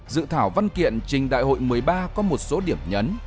dự thảo văn kiện trình đại hội một mươi ba có một số điểm nhấn